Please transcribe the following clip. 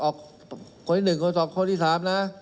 คนที่นึงคนที่สองคนที่ที่สามน่ะ